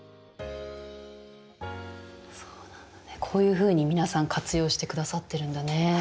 こういうふうに皆さん活用してくださってるんだね。